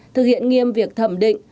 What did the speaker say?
thực hiện nghiêm việc thẩm định